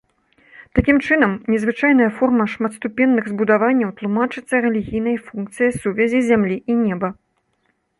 Такім чынам, незвычайная форма шматступенных збудаванняў тлумачыцца рэлігійнай функцыяй сувязі зямлі і неба.